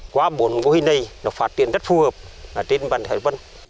qua bốn mô hình này nó phát triển rất phù hợp trên văn hệ văn